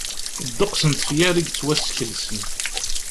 Ddeqs n tefyar i yettwaskelsen.